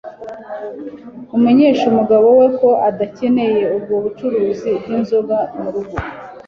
amenyesha umugabo we ko adakeneye ubwo bucuruzi bw'inzoga mu rugo